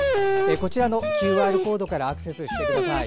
こちらのＱＲコードからアクセスしてください。